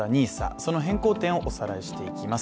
その変更点をおさらいしていきます。